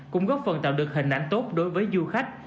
cũng góp phần tạo được hình ảnh tốt đối với du khách